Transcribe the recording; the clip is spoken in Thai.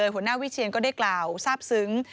หัวหน้าวิเชียนก็ได้กล่าวทราบซึ้ง